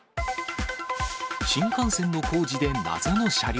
新幹線の工事で謎の車両。